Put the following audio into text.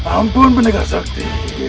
ampun menegar sakti